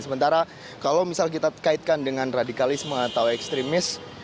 sementara kalau misalnya kita terkaitkan dengan radikalisme atau ekstremis